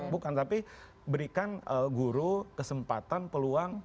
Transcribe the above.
bukan tapi berikan guru kesempatan peluang